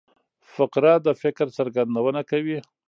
فقره د فکر څرګندونه کوي.